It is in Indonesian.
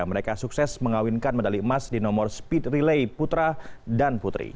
mereka sukses mengawinkan medali emas di nomor speed relay putra dan putri